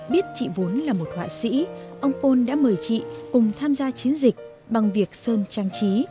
biết chị vốn là một họa sĩ ông pôn đã mời chị cùng tham gia chiến dịch bằng việc sơn trang trí